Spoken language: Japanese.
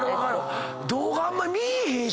動画あんまり見いひんしね。